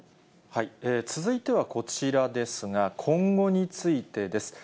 続いてはこちらですが、今後についてです。